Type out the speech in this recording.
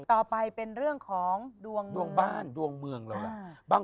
ต่อไปเป็นเรื่องของดวงบ้านดวงเมืองเราล่ะ